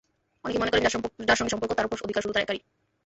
অনেকে মনে করেন, যার সঙ্গে সম্পর্ক তার ওপর অধিকার শুধু তার-ই একার।